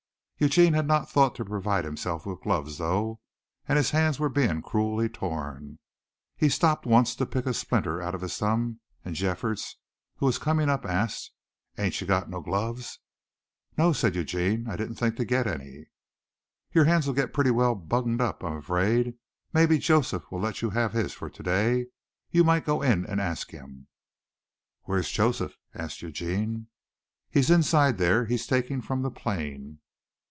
Eugene had not thought to provide himself with gloves though, and his hands were being cruelly torn. He stopped once to pick a splinter out of his thumb and Jeffords, who was coming up, asked, "Ain't cha got no gloves?" "No," said Eugene, "I didn't think to get any." "Your hands'll get pretty well bunged up, I'm afraid. Maybe Joseph'll let you have his for to day, you might go in and ask him." "Where's Joseph?" asked Eugene. "He's inside there. He's taking from the plane."